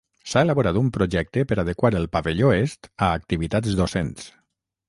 S'ha elaborat un projecte per adequar el pavelló est a activitats docents.